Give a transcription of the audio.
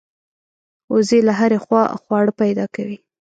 وزې له هرې خوا خواړه پیدا کوي